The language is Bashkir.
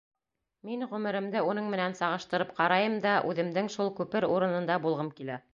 Мин ғүмеремде уның менән сағыштырып ҡарайым да үҙемдең шул күпер урынында булғым килә.